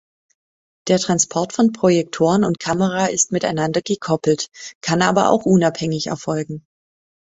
Der Transport von Projektoren und Kamera ist miteinander gekoppelt, kann aber auch unabhängig erfolgen.